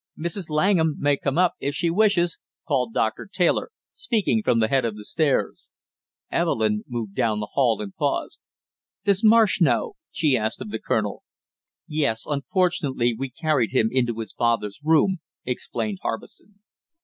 "Mrs. Langham may come up if she wishes!" called Doctor Taylor, speaking from the head of the stairs. Evelyn moved down the hall and paused. "Does Marsh know?" she asked of the colonel. "Yes, unfortunately we carried him into his father's room," explained Harbison.